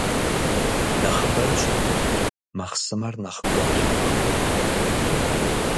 Нэхъыбэрэ щытыху, махъсымэр нэхъ гуащIэ мэхъу.